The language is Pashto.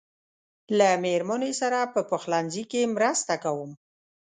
له مېرمنې سره په پخلنځي کې مرسته کوم.